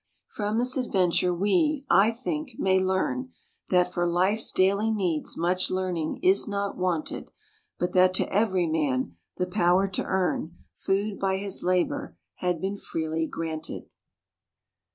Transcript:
From this adventure we, I think, may learn That for life's daily needs much learning is not wanted; But that to every man the power to earn Food by his labour has been freely granted.